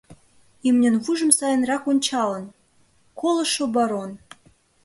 Имньын вуйжым сайынрак ончалын: колышо барон.